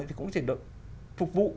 thì cũng chỉ được phục vụ